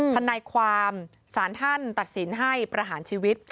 ทนายความศาลท่านตัดสินให้ประหารชีวิต